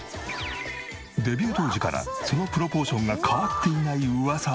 デビュー当時からそのプロポーションが変わっていない噂